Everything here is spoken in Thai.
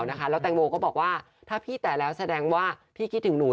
แล้วแตงโมก็บอกว่าถ้าพี่แต่แล้วแสดงว่าพี่คิดถึงหนู